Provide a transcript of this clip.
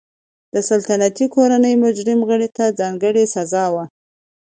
د سلطنتي کورنۍ مجرم غړي ته ځانګړې سزا وه.